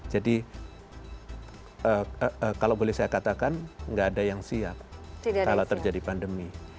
jadi kalau boleh saya katakan gak ada yang siap kalau terjadi pandemi